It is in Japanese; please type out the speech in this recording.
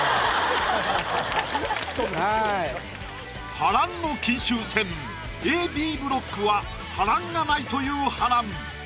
波乱の金秋戦Ａ・Ｂブロックは波乱がないという波乱。